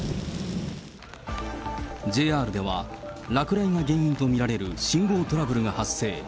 ＪＲでは落雷が原因と見られる信号トラブルが発生。